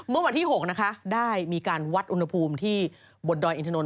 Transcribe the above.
เมื่อวันที่๖นะคะได้มีการวัดอุณหภูมิที่บนดอยอินทนนท